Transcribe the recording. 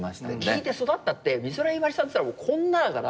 聞いて育ったって美空ひばりさんっつったらこんなだから。